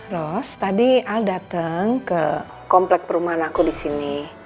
ros tadi al datang ke komplek perumahan aku di sini